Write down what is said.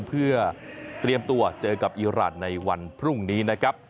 เพื่อเตรียมตัวเจอกับอีรานในวันพรุ่งนี้นะครับ